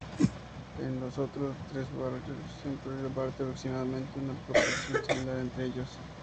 En los otros tres barrios se reparte, aproximadamente en una proporción similar entre ellos.